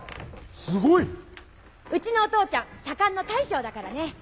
すごい！うちのお父ちゃん左官の大将だからね。